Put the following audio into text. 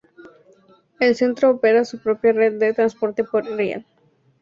El Centro opera su propia red de transporte por riel.